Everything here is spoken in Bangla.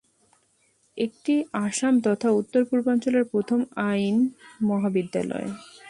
এইটি আসাম তথা উত্তর-পূর্বাঞ্চলের প্রথম আইন মহাবিদ্যালয়।